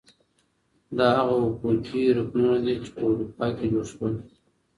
دا هغه حقوقي رکنونه دي چي په اروپا کي جوړ سول.